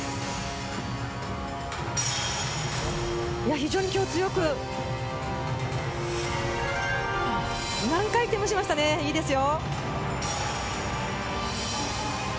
非常に今日、強く、何回転もしましたね、いいですよ！